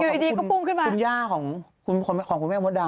อยู่ดีก็พุ่งขึ้นมาของคุณย่าของคุณแม่มัวดำ